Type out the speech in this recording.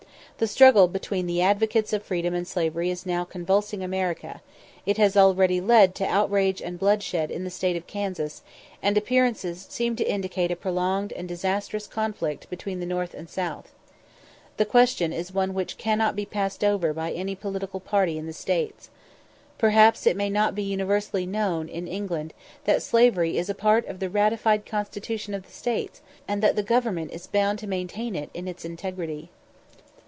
The struggle between the advocates of freedom and slavery is now convulsing America; it has already led to outrage and bloodshed in the State of Kansas, and appearances seem to indicate a prolonged and disastrous conflict between the North and South. The question is one which cannot be passed over by any political party in the States. Perhaps it may not be universally known in England that slavery is a part of the ratified Constitution of the States, and that the Government is bound to maintain it in its integrity.